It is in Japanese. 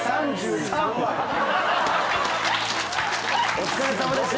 お疲れさまでした。